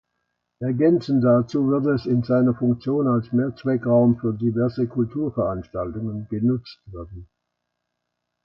Ergänzend dazu wird es in seiner Funktion als Mehrzweckraum für diverse Kulturveranstaltungen genutzt werden.